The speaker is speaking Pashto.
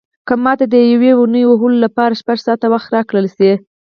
که ماته د یوې ونې وهلو لپاره شپږ ساعته وخت راکړل شي.